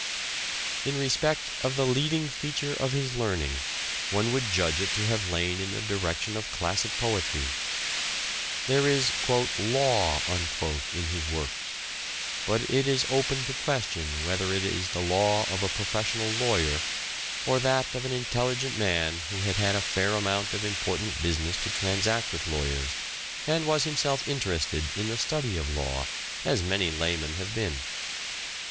In respect of the leading feature of his learning one would judge it to have lain in the direction of classic poetry. There is " law " in his works, but it is open to question whether it is the law of a pro fessional lawyer, or that of an intelligent man who had had a fair amount of important business to transact with lawyers, and was himself interested in the study of law as many laymen have been.